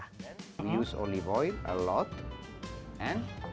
kita gunakan banyak minyak oliva dan oregano